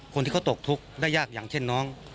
คนที่เขาตกทุกข์ได้ยากอย่างเช่นน้อง